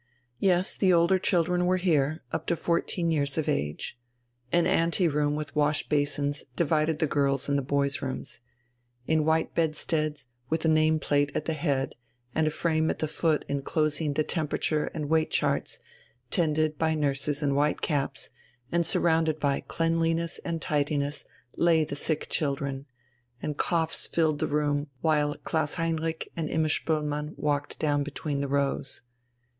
Yes, the older children were here, up to fourteen years of age. An ante room with wash basins divided the girls' and the boys' rooms. In white bedsteads, with a name plate at the head and a frame at the foot enclosing the temperature and weight charts tended by nurses in white caps, and surrounded by cleanliness and tidiness lay the sick children, and coughs filled the room while Klaus Heinrich and Imma Spoelmann walked down between the rows.